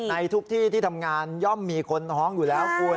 ในทุกที่ที่ทำงานย่อมมีคนท้องอยู่แล้วคุณ